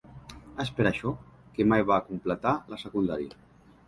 És per això que mai va completar la secundària.